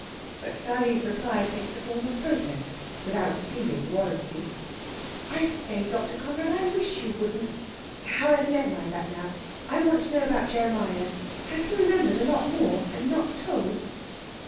But Sally's reply takes a form of protest, without seeming warranty. "I say, Dr. Conrad, I wish you wouldn't.... However, never mind that now. I want to know about Jeremiah. Has he remembered a lot more, and not told?"